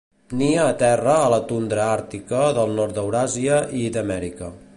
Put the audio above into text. Nia a terra a la tundra àrtica del nord d'Euràsia i d'Amèrica.